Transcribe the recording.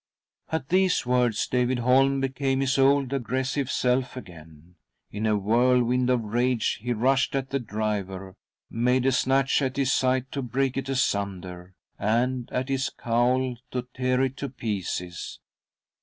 At these words David Holm became his old aggressive self again. In a whirlwind of rage he rushed at the driver, made a snatch at his scythe to break it asunder— and at his cowl— to tear it to pieces.